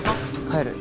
帰る。